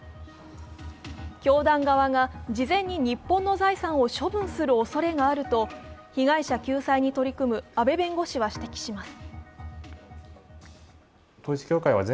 教団側が事前に日本の財産を処分するおそれがあると、被害者救済に取り組む阿部弁護士は指摘します